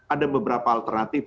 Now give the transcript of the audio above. ada beberapa alternatif